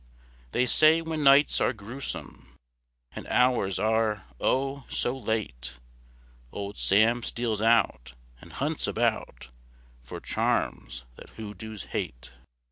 _ They say when nights are grewsome And hours are, oh! so late, Old Sam steals out And hunts about For charms that hoodoos hate!